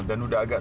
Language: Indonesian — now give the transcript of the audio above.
dan udah agak